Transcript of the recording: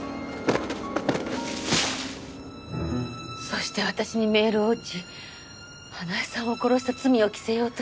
そして私にメールを打ち花絵さんを殺した罪を着せようとした。